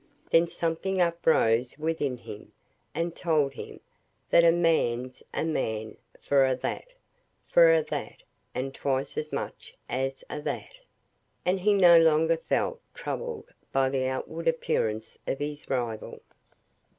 Then something uprose within him, and told him, that "a man's a man for a' that, for a' that, and twice as much as a' that." And he no longer felt troubled by the outward appearance of his rival.